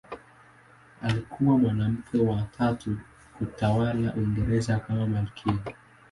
Alikuwa mwanamke wa tatu kutawala Uingereza kama malkia.